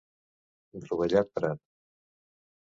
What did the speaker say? Rovellat Prat.